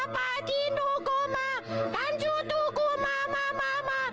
ทัศุจินดุกุมะทั้งสุขทัศุกุมะมะมะมะ